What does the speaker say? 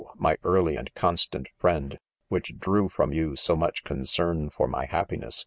my early and constant friend, which drew from you so much concern for my happiness